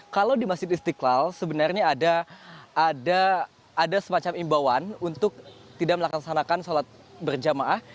kalau di masjid istiqlal sebenarnya ada semacam imbauan untuk tidak melaksanakan sholat berjamaah